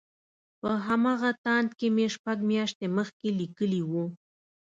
په همغه تاند کې مې شپږ مياشتې مخکې ليکلي وو.